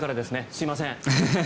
すみません。